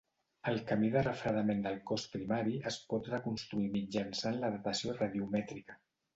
El camí de refredament del cos primari es pot reconstruir mitjançant la datació radiomètrica.